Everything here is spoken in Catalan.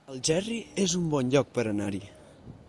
Algerri es un bon lloc per anar-hi